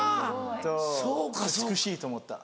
そう美しいと思った。